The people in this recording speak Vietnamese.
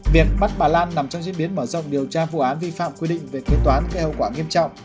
việc bắt bà lan nằm trong diễn biến mở rộng điều tra vụ án vi phạm quy định về kế toán gây hậu quả nghiêm trọng